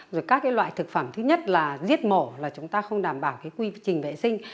rồi các cái loại thực phẩm thứ nhất là giết mổ là chúng ta không đảm bảo cái quy trình vệ sinh